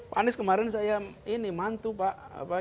pak anies kemarin saya ini mantu pak